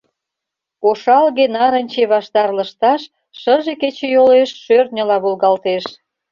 Ошалге-нарынче ваштар лышташ шыже кечыйолеш шӧртньыла волгалтеш.